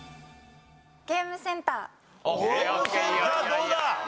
ゲームセンターどうだ？